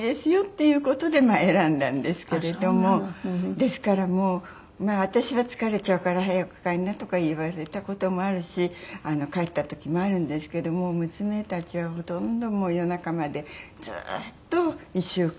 ですからもうまあ私は疲れちゃうから「早く帰りな」とか言われた事もあるし帰った時もあるんですけど娘たちはほとんどもう夜中までずっと１週間。